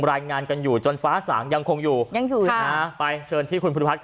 ลายงานกันอยู่จนฟ้าสองยังคงอยู่ยังถูกค่ะไปเชิญที่คุณผู้ดิมพัดแล้วกัน